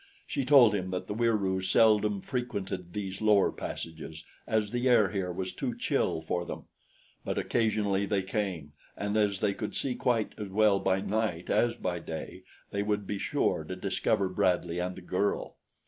She told him that the Wieroos seldom frequented these lower passages, as the air here was too chill for them; but occasionally they came, and as they could see quite as well by night as by day, they would be sure to discover Bradley and the girl.